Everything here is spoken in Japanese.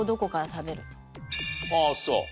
ああそう。